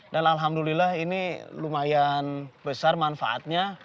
dan alhamdulillah ini lumayan besar manfaatnya